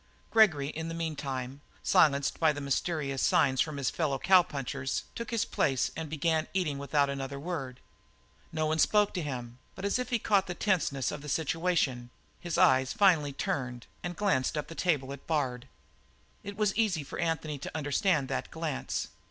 Gregory, in the meantime, silenced by the mysterious signs from his fellow cowpunchers, took his place and began eating without another word. No one spoke to him, but as if he caught the tenseness of the situation, his eyes finally turned and glanced up the table to Bard. It was easy for Anthony to understand that glance.